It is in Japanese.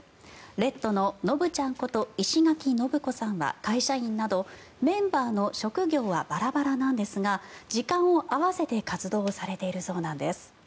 レッドののぶちゃんこと石垣信子さんは会社員などメンバーの職業はバラバラなんですが時間を合わせて活動されているそうなんです。